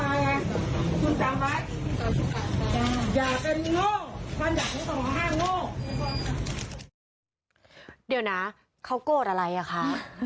มันอยากนึกต่อห้างโง่เดี๋ยวนะเขากดอะไรอ่ะค่ะ